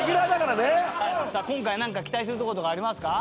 今回期待するとこありますか？